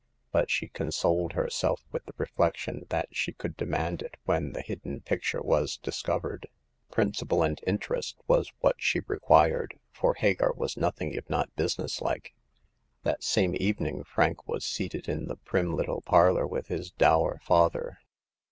But she consoled her self with the reflection that she could demand it when the hidden picture was discovered. Prin 148 Hagar of the Pawn Shop. cipal and interest was what she required ; for Hagar was nothing if not businessUke. That same evening Frank was seated in the prim Httle parlor with his dour father.